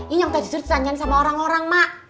ini yang tadi sudah ditanyain sama orang orang mak